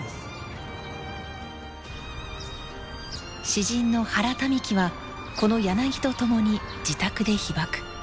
詩人の原民喜はこのヤナギと共に自宅で被爆。